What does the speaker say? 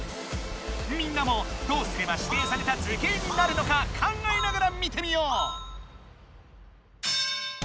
みんなもどうすればしていされた図形になるのか考えながら見てみよう！